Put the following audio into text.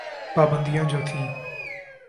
پابندیاں جو تھیں۔